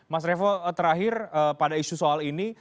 mas revo terakhir pada isu soal ini